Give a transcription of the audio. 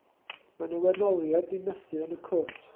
Mae 'na wenoliaid 'di nythu yn y cwt.